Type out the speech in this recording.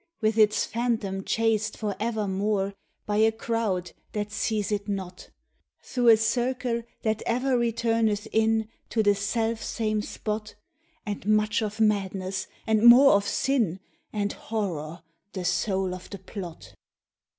With its Phantom chased for evermore, By a crowd that seize it not, Through a circle that ever returneth inTo the self same spot, And much of Madness, and more of Sin, And Horror the soul of the plot.